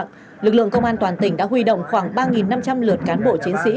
vẫn bị ngập nặng lực lượng công an toàn tỉnh đã huy động khoảng ba năm trăm linh lượt cán bộ chiến sĩ